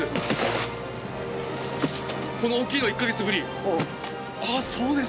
この大きいの１か月ぶり？